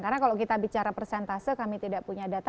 karena kalau kita bicara persentase kami tidak punya data